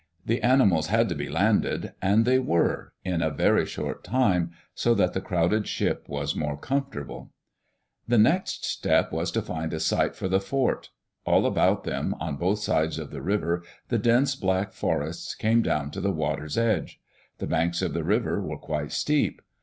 The animals had to be landed, and they were, in a very short time, so that the crowded ship was more comfortable. n \ Digitized by VjOOQ IC HOW THEY BUILT ASTORIA The next step was to find a site for the fort All about them, on both sides of the river, the dense black forests came down to the water's edge. The banks of the river were quite steep.